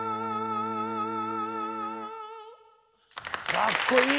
かっこいい！